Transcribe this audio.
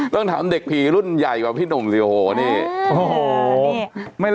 เรื่องทำเด็กผีรุ่นใหญ่กว่าพี่หน่าอาโหนี่